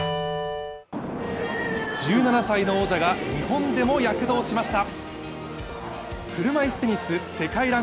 １７歳の王者が日本でも躍動しました。